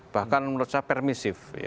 bahkan menurut saya permisif